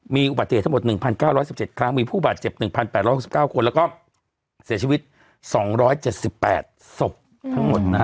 มีอุบัติเหตุทั้งหมด๑๙๑๗ครั้งมีผู้บาดเจ็บ๑๘๖๙คนแล้วก็เสียชีวิต๒๗๘ศพทั้งหมดนะฮะ